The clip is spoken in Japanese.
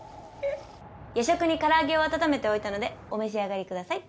夜食にからあげを温めておいたのでお召し上がりください。